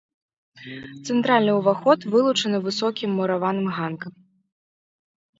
Цэнтральны ўваход вылучаны высокім мураваным ганкам.